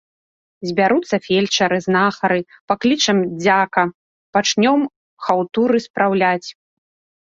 Збяруцца фельчары, знахары, паклічам дзяка, пачнём хаўтуры спраўляць.